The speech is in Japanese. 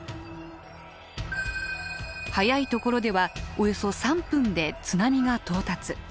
早いところではおよそ３分で津波が到達。